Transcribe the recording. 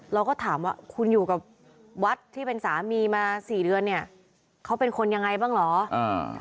เราก็ถามว่าคุณอยู่กับวัดที่เป็นสามีมาสี่เดือนเนี่ยเขาเป็นคนยังไงบ้างเหรอ